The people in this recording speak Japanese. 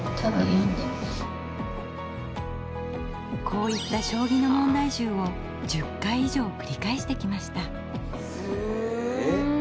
こういった将棋の問題集を１０回以上繰り返してきました。